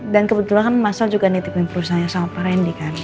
dan kebetulan kan masal juga nitipin perusahaannya sama pak randy kan